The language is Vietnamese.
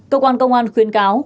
cơ quan công an khuyên cáo